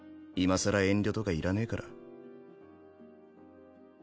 今さら遠慮とかいらねえから。